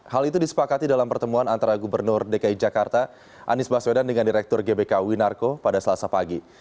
hal itu disepakati dalam pertemuan antara gubernur dki jakarta anies baswedan dengan direktur gbk winarko pada selasa pagi